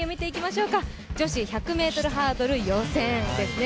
女子１００ｍハードル予選ですね。